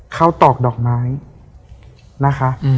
ข้าวตอกดอกไม้นะคะ